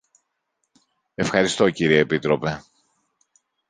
Ευχαριστώ, κύριε Επίτροπε.